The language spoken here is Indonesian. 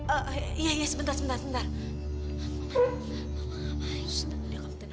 eh iya iya sebentar sebentar sebentar